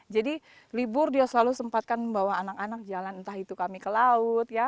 jadi libur dia selalu sempatkan membawa anak anak jalan entah itu kami ke laut ya